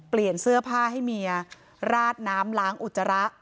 เปลี่ยนเสื้อผ้าให้เมียราดน้ำล้างอุจจาระ